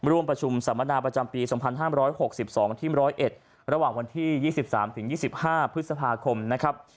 ร่วมประชุมสัมมนาประจำปี๒๕๖๒ที่๑๐๑ระหว่างวันที่๒๓๒๕พฤษภาคมนะครับ